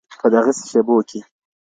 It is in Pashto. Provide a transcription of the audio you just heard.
په دغسي شېبو كي